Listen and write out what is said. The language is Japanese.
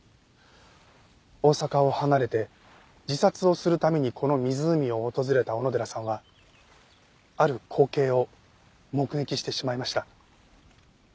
大阪を離れて自殺をするためにこの湖を訪れた小野寺さんはある光景を目撃してしまいました。